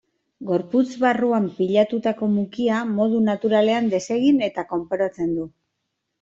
Gorputz barruan pilatutako mukia modu naturalean desegin eta kanporatzen du.